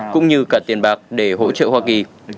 cũng như cả tiền bạc để hỗ trợ hoa kỳ